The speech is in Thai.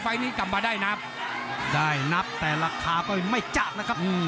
นี้กลับมาได้นับได้นับแต่ราคาก็ไม่จะนะครับ